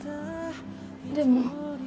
でも